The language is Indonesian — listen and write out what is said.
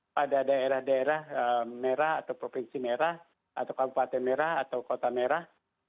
pada daerah daerah merah atau provinsi merah atau kabupaten merah atau kota merah